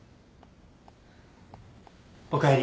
おかえり。